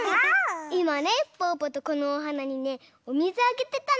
いまねぽぅぽとこのおはなにねおみずあげてたの。